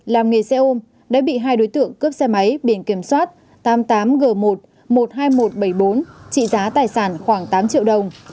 làm nghề xe ôm đã bị hai đối tượng cướp xe máy biển kiểm soát tám mươi tám g một một mươi hai nghìn một trăm bảy mươi bốn trị giá tài sản khoảng tám triệu đồng